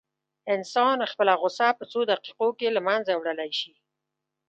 انسان خپله غوسه په څو دقيقو کې له منځه وړلی شي.